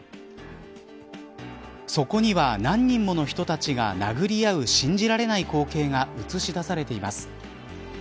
そこには、何人もの人たちが殴り合う信じられない光景が映し出されています。